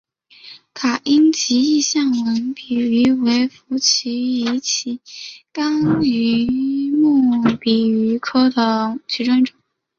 卡因吉异吻象鼻鱼为辐鳍鱼纲骨舌鱼目象鼻鱼科的其中一种。